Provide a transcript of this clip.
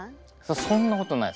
そんなことないっすね。